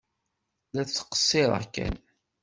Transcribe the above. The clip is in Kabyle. La ttqeṣṣireɣ kan.